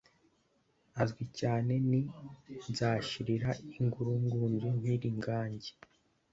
Anzwi cyane ni Nzashirira ingurugunzu nkiri Ngangi